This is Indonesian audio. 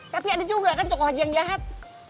tapi ada juga kan tokoh haji yang jahat